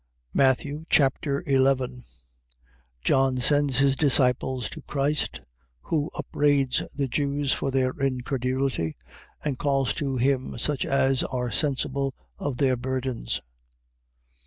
Matthew Chapter 11 John sends his disciples to Christ, who upbraids the Jews for their incredulity, and calls to him such as are sensible of their burdens.